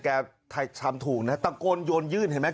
ชามถูกนะตะโกนโยนยื่นเห็นไหม